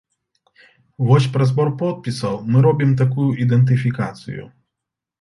Вось праз збор подпісаў мы робім такую ідэнтыфікацыю.